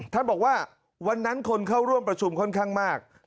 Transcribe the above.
ท่านบอกว่าวันนั้นคนเข้าร่วมประชุมค่อนข้างมาก